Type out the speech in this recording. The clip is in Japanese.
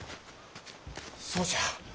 そうじゃ！